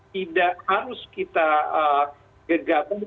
tidak harus kita gegabung